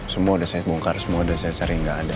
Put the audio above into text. semua udah saya bongkar semua udah saya cari nggak ada